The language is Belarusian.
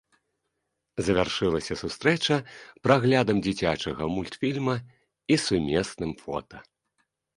Завяршылася сустрэча праглядам дзіцячага мультфільма і сумесным фота.